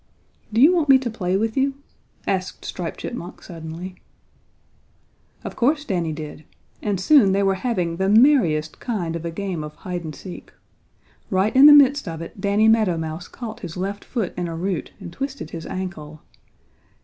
"Do you want me to play with you?" asked Striped Chipmunk, suddenly. Of course Danny did, and soon they were having the merriest kind of a game of hide and seek. Right in the midst of it Danny Meadow Mouse caught his left foot in a root and twisted his ankle.